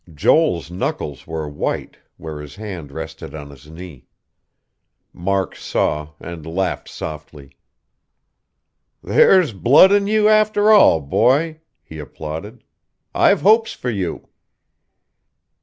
Joel's knuckles were white, where his hand rested on his knee. Mark saw, and laughed softly. "There's blood in you, after all, boy," he applauded. "I've hopes for you."